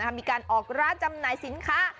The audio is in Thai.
มีการออกร้านจำหน่ายสินค้า